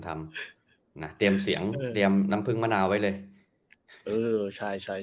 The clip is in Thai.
ทำน่ะเตรียมเสียงเตรียมน้ำผึ้งมะนาวไว้เลยเออใช่ใช่